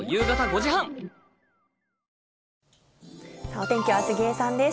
お天気は杉江さんです。